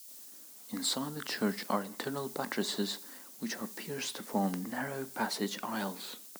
Inside the church are internal buttresses which are pierced to form narrow passage aisles.